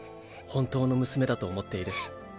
本当の娘だと思っている。